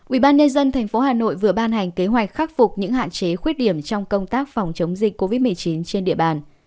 ubnd tp hà nội vừa ban hành kế hoạch khắc phục những hạn chế khuyết điểm trong công tác phòng chống dịch covid một mươi chín trên địa bàn